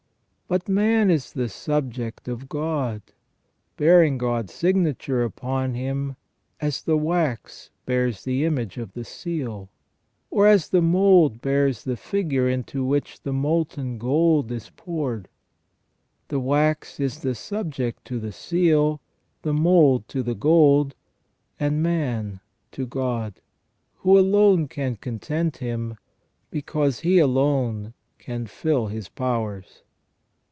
But man is the subject of God, bearing God's signature upon him as the wax bears the image of the seal, or as the mould bears the figure into which the molten gold is poured. The wax is subject to the seal, the mould to the gold, and man to God, who alone can content him, because He alone can fill his powers.